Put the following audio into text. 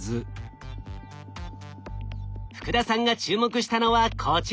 福田さんが注目したのはこちら。